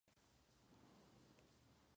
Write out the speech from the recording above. Se encuentra en Corea, Japón, China y Taiwán.